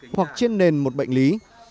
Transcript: hoặc trên nền một bệnh lý